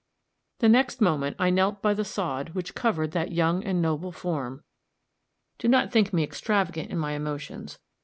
The next moment I knelt by the sod which covered that young and noble form. Do not think me extravagant in my emotions.